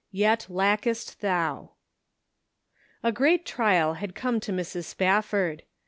YET LACKEST THOU " GREAT trial had come to Mrs. Spaf ford.